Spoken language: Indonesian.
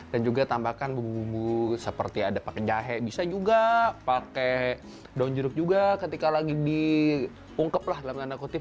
dan juga tambahkan bumbu bumbu seperti ada pakai jahe bisa juga pakai daun jeruk juga ketika lagi diungkep lah dalam tanda kutip